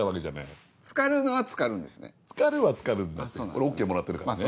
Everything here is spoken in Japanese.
俺ＯＫもらってるからね。